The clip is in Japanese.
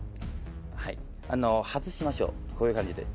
外しましょうこういう感じで。